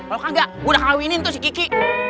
kalau enggak gue udah kawinin tuh si kiki